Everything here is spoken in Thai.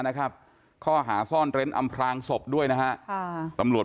นะครับข้อหาซ่อนเร้นอำพลางศพด้วยนะฮะค่ะตำรวจ